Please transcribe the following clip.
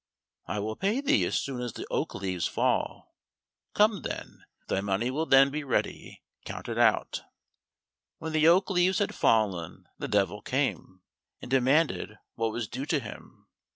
"I will pay thee as soon as the oak leaves fall; come then, thy money will then be ready counted out." When the oak leaves had fallen, the Devil came and demanded what was due to him.